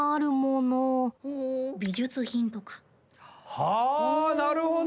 はあなるほど。